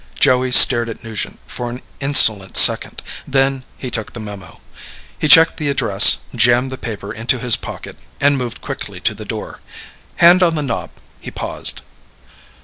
Joey stared at Nugent for an insolent second. Then, he took the memo. He checked the address, jammed the paper into his pocket, and moved quickly to the door. Hand on the knob, he paused.